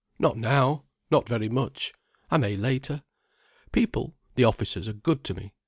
Not now—not very much. I may later. People—the officers, are good to me.